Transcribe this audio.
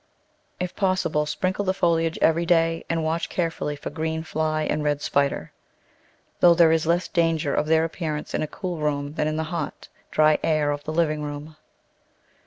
If possible sprinkle the foliage every day and watch carefully for green fly and red spider; though there is less danger of their appearance in a cool room than in the hot, dry air of the living room.